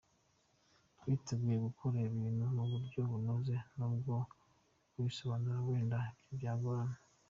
Twiteguye gukora ibintu mu buryo bunoze n’ubwo kubisobanura wenda byo byagorana.